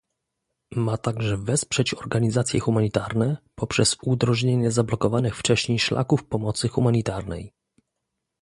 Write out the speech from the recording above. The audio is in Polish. Ma także wesprzeć organizacje humanitarne poprzez udrożnienie zablokowanych wcześniej szlaków pomocy humanitarnej